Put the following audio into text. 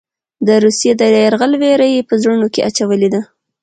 د روسیې د یرغل وېره یې په زړونو کې اچولې ده.